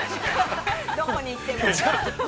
どこに行っても。